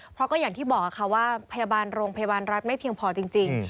เพราะก็อย่างที่บอกค่ะว่าพยาบาลโรงพยาบาลรัฐไม่เพียงพอจริง